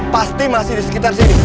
pasti masih di sekitar sini